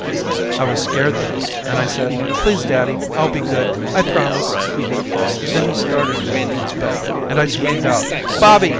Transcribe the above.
I was scared then and I said please daddy I'll be good I promise. Then he started for me with the belt and I screamed out Bobby!